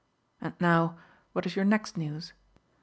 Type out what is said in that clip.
And now what is your next news?"